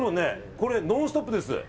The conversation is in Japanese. これ「ノンストップ！」です。